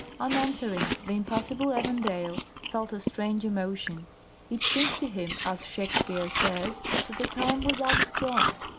On entering, the impassible Evandale felt a strange emotion; it seemed to him, as Shakespeare says, that the time was out of joint.